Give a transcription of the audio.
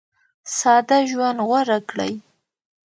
ساده ژوند غوره کړئ.